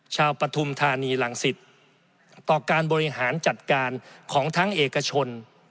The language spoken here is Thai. ปฐุมธานีรังสิตต่อการบริหารจัดการของทั้งเอกชน